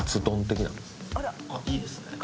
あっいいですね。